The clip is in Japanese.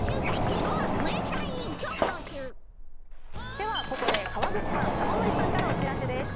ではここで川口さん、玉森さんからお知らせです。